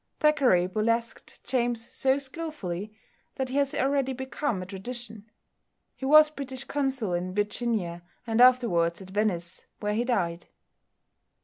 Thackeray burlesqued James so skilfully that he has already become a tradition. He was British Consul in Virginia, and afterwards at Venice, where he died.